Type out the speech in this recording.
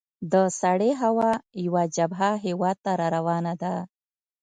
د سړې هوا یوه جبهه هیواد ته را روانه ده.